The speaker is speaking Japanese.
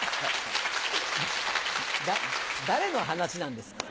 誰の話なんですか？